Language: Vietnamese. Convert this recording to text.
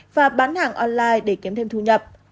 và bán hàng online để kiếm thêm thu nhập